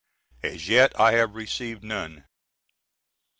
As yet I have received none.